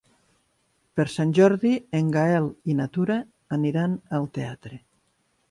Per Sant Jordi en Gaël i na Tura aniran al teatre.